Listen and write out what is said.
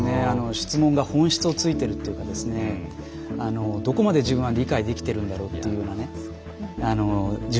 質問が本質を突いているというかどこまで自分は理解できているんだろうっていうようなね自問してしまいますね。